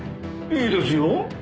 いいですよ。